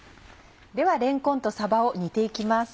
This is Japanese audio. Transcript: ではれんこんとさばを煮て行きます。